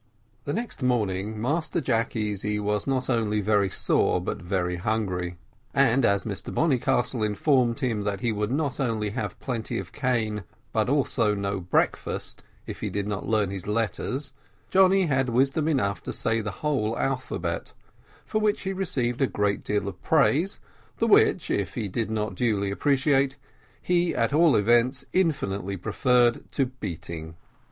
The next morning Master Jack Easy was not only very sore but very hungry, and as Mr Bonnycastle informed him that he would not only have plenty of cane, but also no breakfast, if he did not learn his letters, Johnny had wisdom enough to say the whole alphabet, for which he received a great deal of praise, the which if he did not duly appreciate, he at all events infinitely preferred to beating.